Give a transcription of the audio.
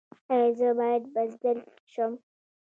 ایا زه باید بزدل شم؟